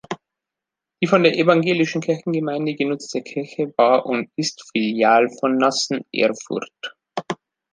Die von der evangelischen Kirchengemeinde genutzte Kirche war und ist Filial von Nassenerfurth.